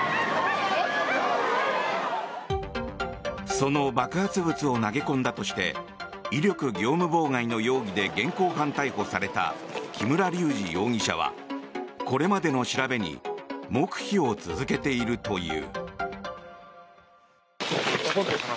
その爆発物を投げ込んだとして威力業務妨害の容疑で現行犯逮捕された木村隆二容疑者はこれまでの調べに黙秘を続けているという。